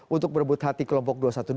untuk merebut hati kelompok dua ratus dua belas